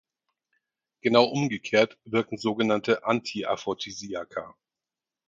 Genau umgekehrt wirken sogenannte Anti-Aphrodisiaka.